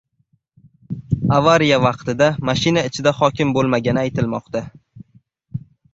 Avariya vaqtida mashina ichida hokim bo‘lmagani aytilmoqda